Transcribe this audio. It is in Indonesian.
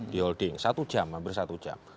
di holding satu jam hampir satu jam